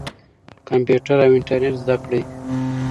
کمپیوټر او انټرنیټ زده کړئ.